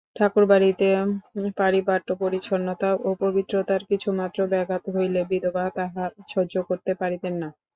ঠাকুরবাড়িতে পারিপাট্য পরিচ্ছন্নতা ও পবিত্রতার কিছুমাত্র ব্যাঘাত হইলে বিধবা তাহা সহ্য করিতে পারিতেন না।